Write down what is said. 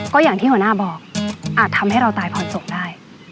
ก็อย่างที่หัวหน้าบอกอาจทำให้เราตายผ่อนศพได้